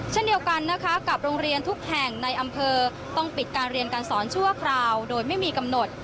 เช่นเดียวกันนะคะกับโรงเรียนทุกแห่งในอำเภอต้องปิดการเรียนการสอนชั่วคราวโดยไม่มีกำหนด